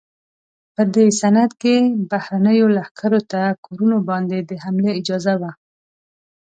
په دې سند کې بهرنیو لښکرو ته کورونو باندې د حملې اجازه وه.